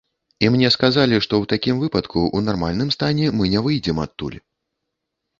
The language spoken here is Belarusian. І мне сказалі, што ў такім выпадку ў нармальным стане мы не выйдзем адтуль.